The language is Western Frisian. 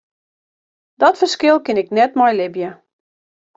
Dat ferskil kin ik net mei libje.